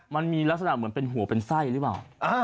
มันมีลักษณะเหมือนเป็นหัวเป็นไส้หรือเปล่า